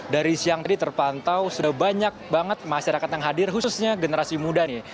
dari siang tadi terpantau sudah banyak banget masyarakat yang hadir khususnya generasi muda nih